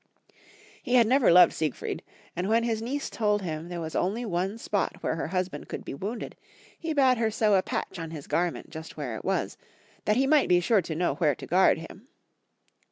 He had never loved Siegfried, and 44 Young Folks^ History of Germany. when his niece told him there was only one spot where her husband could be wounded, he bade her sew a patch on his garment just where it was, that he might be sure to know where to guard him.